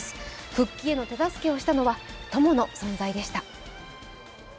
復帰への手助けをしたのは友の存在でした。